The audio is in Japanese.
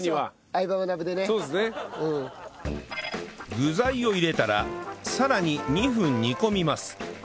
具材を入れたらさらに２分煮込みます